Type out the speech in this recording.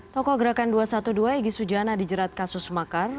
tokoh gerakan dua ratus dua belas egy sujana dijerat kasus makar